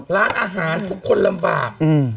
ร้านอาหารทุกคนลำบาก